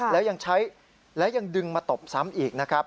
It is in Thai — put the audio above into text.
แล้วยังใช้และยังดึงมาตบซ้ำอีกนะครับ